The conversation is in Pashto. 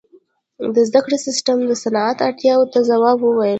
• د زدهکړې سیستم د صنعت اړتیاو ته ځواب وویل.